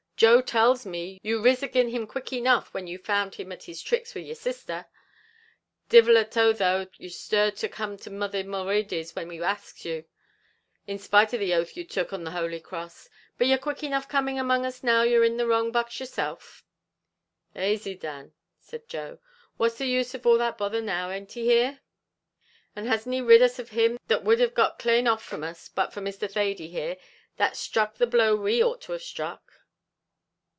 Joe tells me you riz agin him quick enough when you found him at his tricks with yer sisther. Divil a toe though you stirred to come to mother Mulready's when we axed you, in spite of the oath you took on the holy cross; but you're quick enough coming among us now you're in the wrong box yourself." "Asy, Dan," said Joe; "what's the use of all that bother now; an't he here? and hasn't he rid us of him that would have got clane off from us, but for Mr. Thady here, that struck the blow we ought to have struck?"